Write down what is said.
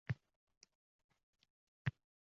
Menga u haqida xabar keldi.